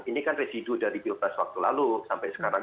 ini kan residu dari pilpres waktu lalu sampai sekarang